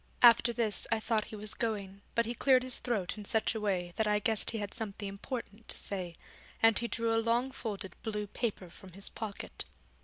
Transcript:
After this I thought he was going, but he cleared his throat in such a way that I guessed he had something important to say, and he drew a long folded blue paper from his pocket.